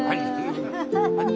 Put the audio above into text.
ハハハッ！